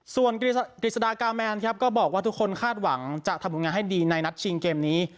ส่วนกฤษฎากาแมนครับก็บอกว่าทุกคนคาดหวังจะทำผลงานให้ดีในนัดชิงเกมนี้